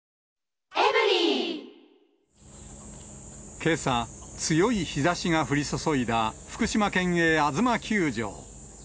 けさ、強い日ざしが降り注いだ福島県営あづま球場。